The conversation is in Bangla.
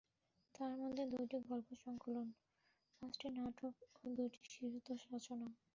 তার মধ্যে দুইটি গল্প সংকলন, পাঁচটি নাটক ও দুইটি শিশুতোষ রচনা।